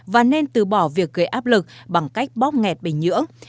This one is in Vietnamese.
và nên từ bỏ việc gây áp lực bằng cách bóp nghẹt bình nhưỡng